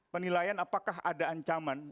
penilaian apakah ada ancaman